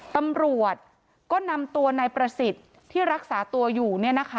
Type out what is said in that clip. ตำรวจก็นำตัวนายประสิทธิ์ที่รักษาตัวอยู่